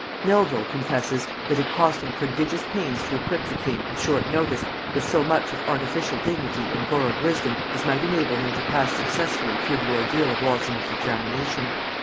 Melvil confesses, that it cost him prodigious pains to equip the king, at short notice, with so much of artificial dignity and borrowed wisdom as might enable him to pass successfully through the ordeal of Walsingham's examination.